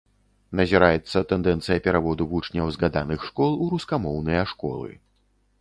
Назіраецца тэндэнцыя пераводу вучняў згаданых школ у рускамоўныя школы.